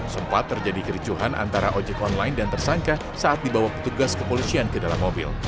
sempat terjadi kericuhan antara ojek online dan tersangka saat dibawa petugas kepolisian ke dalam mobil